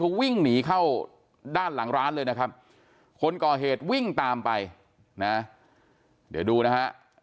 เขาวิ่งหนีเข้าด้านหลังร้านเลยนะครับคนก่อเหตุวิ่งตามไปนะเดี๋ยวดูนะฮะ